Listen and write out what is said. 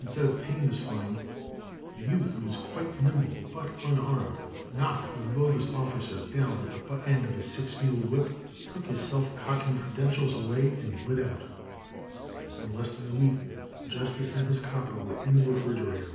Instead of paying this fine, the youth, who was quite nimble, but unarmed, knocked the bogus officer down with the butt end of his six mule whip, took his self cocking credentials away and lit out. In less than a week the justice and his copper were in the refrigerator.